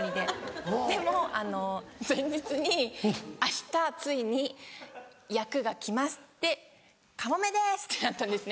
でも前日に「明日ついに役が来ます」って「カモメです」ってなったんですね